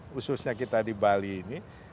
khususnya kita di bali ini